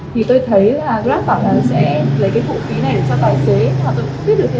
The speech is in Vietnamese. thì tôi thấy grab bảo là nó sẽ lấy cái phụ phí này cho tài xế